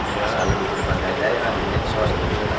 selalu berbagai ya yang ada di sosial media